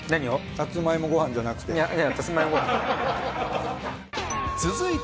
さつまいもごはんじゃなくて。